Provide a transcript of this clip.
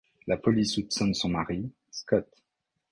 La police soupçonne son mari, Scott.